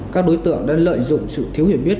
các đối tượng đã lợi dụng sự thiếu hiểu biết